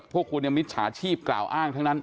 พวกคุณเนี่ยมิจฉาชีพกล่าวอ้างทั้งนั้น